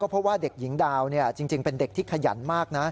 เพราะว่าเด็กหญิงดาวจริงเป็นเด็กที่ขยันมากนะ